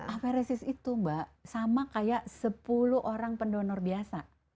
aparesis itu mbak sama kayak sepuluh orang pendonor biasa